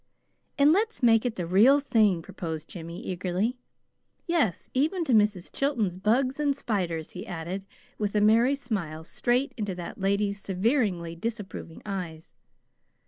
"And let's make it the real thing," proposed Jimmy, eagerly, " yes, even to Mrs. Chilton's bugs and spiders," he added, with a merry smile straight into that lady's severely disapproving eyes.